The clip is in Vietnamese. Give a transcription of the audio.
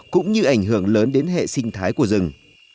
cũng như ảnh hưởng lớn đến hệ sinh thái của rừng